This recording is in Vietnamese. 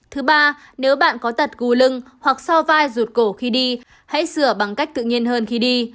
thứ ba nếu bạn có tật gù lưng hoặc so vai rụt cổ khi đi hãy sửa bằng cách tự nhiên hơn khi đi